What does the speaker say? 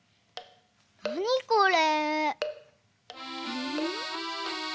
なにこれ？